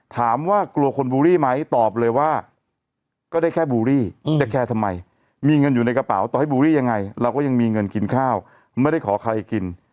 ถามว่ากลัวคนบูรี่ไหมตอบเลยว่าก็ได้แค่บูรี่จะแคร์ทำไมมีเงินอยู่ในกระเป๋าต่อให้บูรี่ยังไงเราก็ยังมีเงินกินข้าวไม่ได้ขอใครกิน